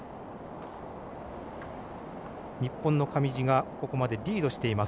日本の上地がここまでリードしています。